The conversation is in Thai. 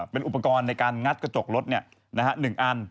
เป็นอุปกรณ์ในของนัดกระจกรถเนี่ย๑อัน